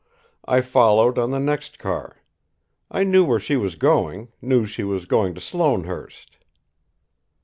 I followed on the next car. I knew where she was going, knew she was going to Sloanehurst."